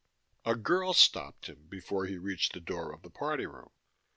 A girl stopped him before he reached the door of the party room.